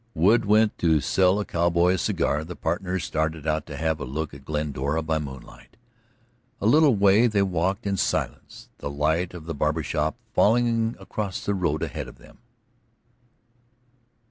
Wood went in to sell a cowboy a cigar; the partners started out to have a look at Glendora by moonlight. A little way they walked in silence, the light of the barber shop falling across the road ahead of them.